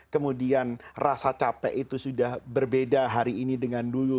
kemudian rasa capek itu sudah berbeda hari ini dengan dulu